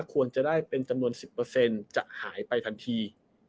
ควรจะได้เป็นจำนวน๑๐จะหายไปทันที